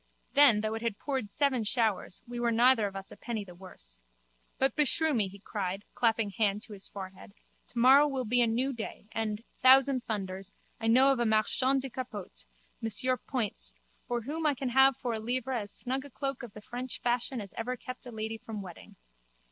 Then, though it had poured seven showers, we were neither of us a penny the worse. But beshrew me, he cried, clapping hand to his forehead, tomorrow will be a new day and, thousand thunders, I know of a marchand de capotes, Monsieur Poyntz, from whom I can have for a livre as snug a cloak of the French fashion as ever kept a lady from wetting.